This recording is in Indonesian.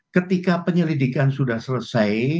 ketika penyelidikan sudah selesai